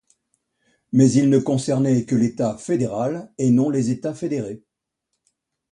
Mais il ne concernait que l'État fédéral et non les États fédérés.